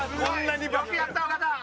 よくやった尾形！